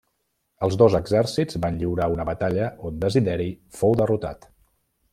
Els dos exèrcits van lliurar una batalla on Desideri fou derrotat.